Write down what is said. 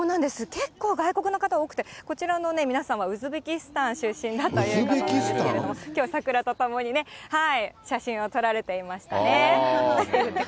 結構外国の方多くて、こちらの皆さんはウズベキスタン出身だということなんですけれども、きょうは桜とともにね、写真を撮られていましたね。